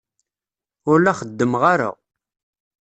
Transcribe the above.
Ur la xeddmeɣ ara.